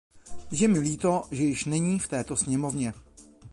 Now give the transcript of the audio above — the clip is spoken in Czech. Je mi líto, že již není v této sněmovně.